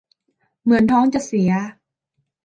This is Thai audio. เหมือนท้องจะเสีย